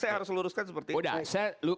saya harus luruskan seperti itu